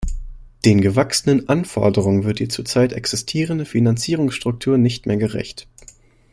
Den gewachsenen Anforderungen wird die zur Zeit existierende Finanzierungsstruktur nicht mehr gerecht.